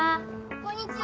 こんにちは！